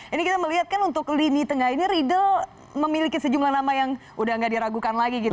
ini kita melihat kan untuk lini tengah ini riedel memiliki sejumlah nama yang udah gak diragukan lagi gitu